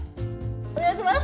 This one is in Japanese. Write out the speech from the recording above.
おねがいします！